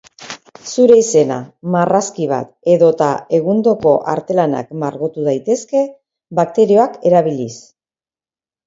Zure izena, marrazki bat edota egundoko artelanak margotu daitezke bakterioak erabiliz.